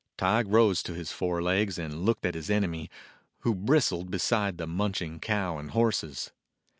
Tige rose to his four legs and looked at his enemy, who bristled beside the munching cow and horses.